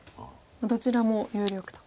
どちらも有力と。